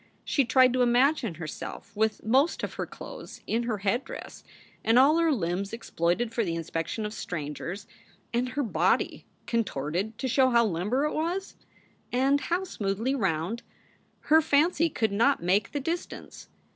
She tried to imagine herself with most of her clothes in her headdress, and all her limbs exploited for the inspection of strangers, and her body contorted to show how limber it was and how smoothly round. Her fancy could not make the distance.